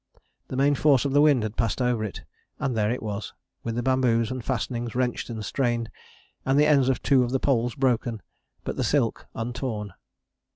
The main force of the wind had passed over it, and there it was, with the bamboos and fastenings wrenched and strained, and the ends of two of the poles broken, but the silk untorn.